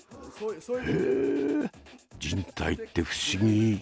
へえ人体って不思議。